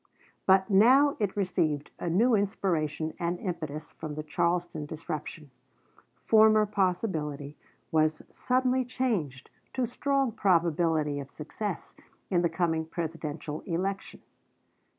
But now it received a new inspiration and impetus from the Charleston disruption. Former possibility was suddenly changed to strong probability of success in the coming Presidential election.